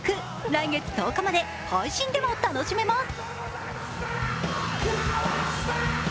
来月１０日まで配信でも楽しめます。